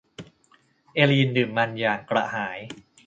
เอลีนดื่มมันอย่างกระหาย